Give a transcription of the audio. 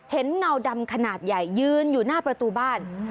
เงาดำขนาดใหญ่ยืนอยู่หน้าประตูบ้าน